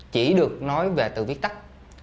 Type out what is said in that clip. chỉ được nói về từ viết tắt